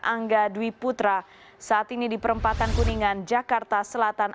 angga dwi putra saat ini di perempatan kuningan jakarta selatan